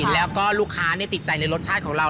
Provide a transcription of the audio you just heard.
แล้วก็ลูกค้าติดใจในรสชาติของเรา